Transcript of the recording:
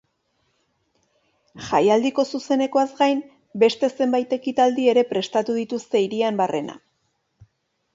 Jaialdiko zuzenekoez gain, beste zenbait ekitaldi ere prestatu dituzte hirian barrena.